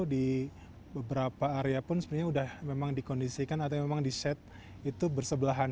di beberapa area pun sebenarnya sudah memang dikondisikan atau memang di set itu bersebelahan